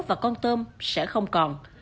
thì con tôm sẽ không còn